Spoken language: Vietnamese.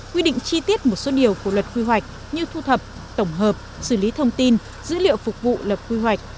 quy định chi tiết một số điều của luật quy hoạch như thu thập tổng hợp xử lý thông tin dữ liệu phục vụ lập quy hoạch